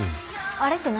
あれって何？